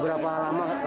berarti malam senin ya